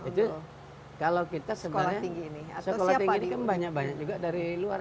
itu kalau kita sekolah tinggi kan banyak banyak juga dari luar